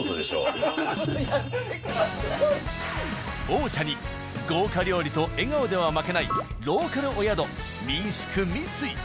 王者に豪華料理と笑顔では負けないローカルお宿民宿三井。